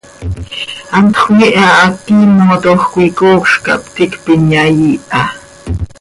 Hantx cömiiha hac quiimotoj coi coocj cah ptiicp inyai iiha.